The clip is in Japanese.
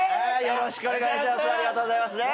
よろしくお願いします。